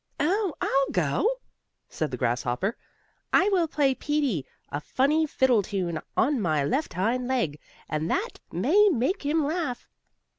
"Oh, I'll go," said the grasshopper. "I will play Peetie a funny fiddle tune, on my left hind leg, and that may make him laugh."